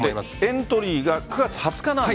エントリーが９月２０日なんで。